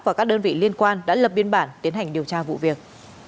và các đơn vị liên quan đã lập biên bản tiến hành điều tra vụ việc